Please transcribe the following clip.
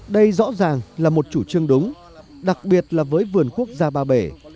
đây rõ ràng là một chủ trương đúng đặc biệt là với vườn quốc gia ba bể